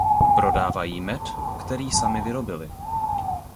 Prodávají med, který sami vyrobili.